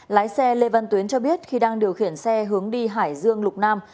lái xe lê văn tuyến cho biết khi đang điều khiển xe hướng đi hải dương lục nam